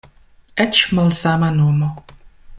Eĉ malsama nomo.